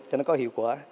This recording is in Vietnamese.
cho nó có hiệu quả